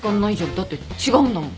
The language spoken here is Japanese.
だって違うんだもん。